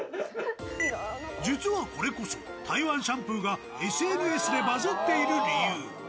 実はこれこそ台湾シャンプーがＳＮＳでバズッている理由。